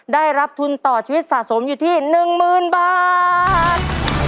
ได้รับทุนต่อชีวิตสะสมอยู่ที่๑๐๐๐บาท